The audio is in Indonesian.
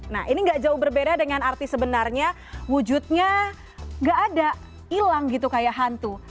nah ini gak jauh berbeda dengan arti sebenarnya wujudnya gak ada hilang gitu kayak hantu